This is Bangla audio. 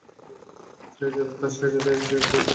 শেহজাদা তার শেহজাদি কে এক ভয়ংকর ড্রাগন থেকে বাঁচিয়েছে।